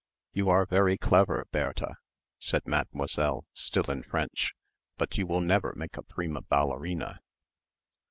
"You are very clever Bair ta," said Mademoiselle, still in French, "but you will never make a prima ballerina."